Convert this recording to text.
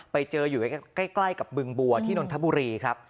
ไปเจออยู่ใกล้กับบึงบัวที่นนทบุรีครับ